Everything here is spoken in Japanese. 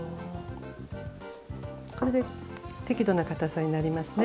これで適度なかたさになりますね。